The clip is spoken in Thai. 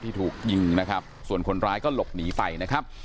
ถูกยิงนะครับส่วนคนร้ายก็หลบหนีไปนะครับ